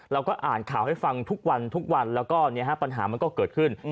เราก็อ่านข่าวให้ฟังทุกวันทุกวันแล้วก็ปัญหามันก็เกิดขึ้น